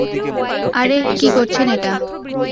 আরে, কী করছেন এটা?